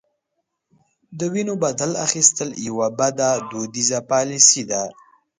د وینو بدل اخیستل یوه بده دودیزه پالیسي ده.